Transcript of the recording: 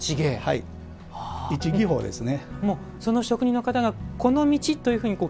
一技法ですね。